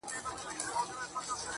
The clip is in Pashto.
نن بيا د هغې نامه په جار نارې وهلې چي~